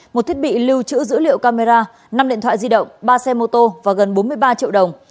một thiết bị lưu trữ dữ liệu camera năm điện thoại di động ba xe mô tô và gần bốn mươi ba triệu đồng